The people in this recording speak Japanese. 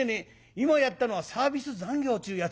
今やったのはサービス残業ちゅうやつでな。